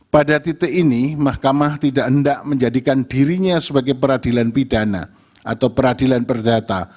pada titik ini mahkamah tidak hendak menjadikan dirinya sebagai peradilan pidana atau peradilan perdata